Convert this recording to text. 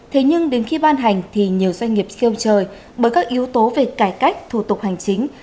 thế nhưng đến khi ban hành thì nhiều doanh nghiệp siêu trời bởi các yếu tố về cải cách thủ tục hành chính